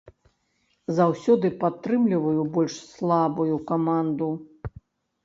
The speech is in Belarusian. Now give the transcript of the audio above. Заўсёды падтрымліваю больш слабую каманду.